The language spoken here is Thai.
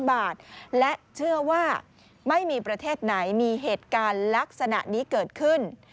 แบบนี้เกิดขึ้น